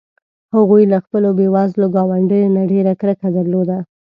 هغوی له خپلو بې وزلو ګاونډیو نه ډېره کرکه درلوده.